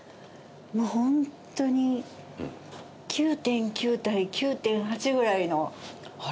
もうホントに９．９対９．８ぐらいの差ですね。